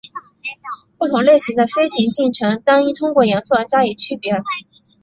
不同类型的飞行进程单应通过颜色加以区别。